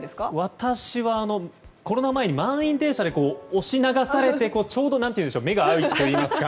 私はコロナ前に満員電車で押し流されてちょうど目が合うといいますか。